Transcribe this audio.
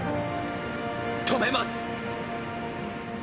止めます！